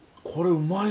「うまい！」